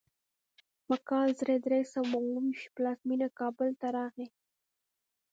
په کال زر درې سوه اوو ویشت پلازمینې کابل ته راغی.